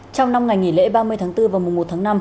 trong năm ngày nghỉ lễ ba mươi tháng bốn và mùa một tháng năm